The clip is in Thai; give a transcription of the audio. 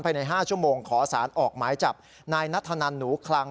ภายใน๕ชั่วโมงขอสารออกหมายจับนายนัทธนันหนูคลัง